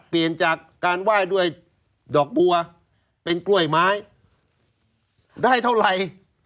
เปลี่ยนจากการไหว้ด้วยดอกบัวเป็นกล้วยไม้ได้เท่าไหร่